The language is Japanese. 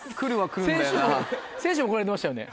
先週も来られてましたよね。